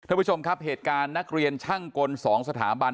ผู้ชมครับเหตุการณ์นักเรียนช่างกล๒สถาบัน